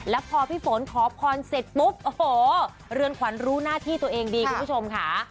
แล้วพอพี่ฝนขอพรเสร็จปุ๊บโอ้โหเรือนขวัญรู้หน้าที่ตัวเองดีคุณผู้ชมค่ะ